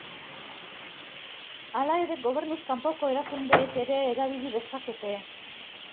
Hala ere, gobernuz kanpoko erakundeek ere erabili dezakete.